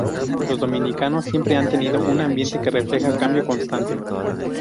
Los dominicanos siempre han tenido un ambiente que refleja cambio constante.